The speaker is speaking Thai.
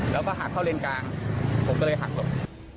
แล้วก็หักเข้าเลนกลางผมก็เลยหักหลบ